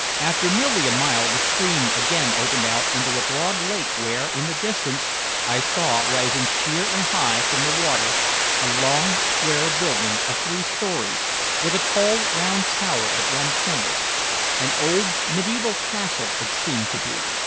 After nearly a mile, the stream again opened out into a broad lake where, in the distance, I saw rising sheer and high from the water, a long square building of three stories, with a tall round tower at one corner an old medieval castle it seemed to be.